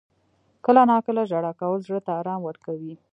• کله ناکله ژړا کول زړه ته آرام ورکوي.